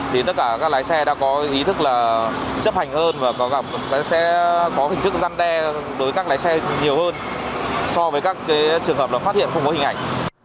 thì tất cả các lái xe đã có ý thức là chấp hành hơn và sẽ có hình thức răn đe đối với các lái xe nhiều hơn so với các trường hợp là phát hiện không có hình ảnh